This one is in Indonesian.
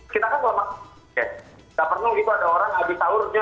kita kan ke lemak oke gak pernah begitu ada orang habis saur